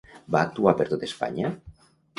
Va actuar per tot Espanya?